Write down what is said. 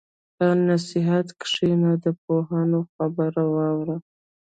په نصیحت کښېنه، د پوهانو خبره واوره.